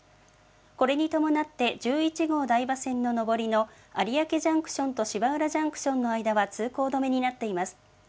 これに伴って、１１号台場線の上りの有明ジャンクションと芝浦ジャンクションの間は通行止めになっています。